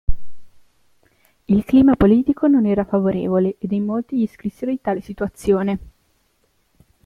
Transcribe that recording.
Il clima politico non era favorevole, ed in molti gli scrissero di tale situazione.